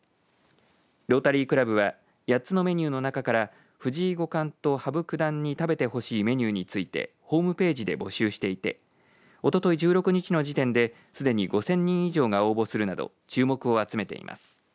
ロータリークラブは８つのメニューの中から藤井五冠と羽生九段に食べてほしいメニューについてホームページで募集していておととい１６日の時点ですでに５０００人以上が応募するなど注目を集めています。